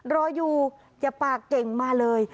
รออยู่อย่าปากเก่งมาเลย